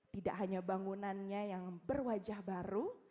tidak hanya bangunannya yang berwajah baru